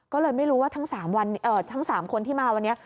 ก็เลยไม่รู้ว่าทั้ง๓คนที่มาวันนี้